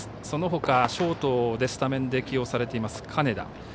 そのほか、ショートでスタメンで起用されている金田。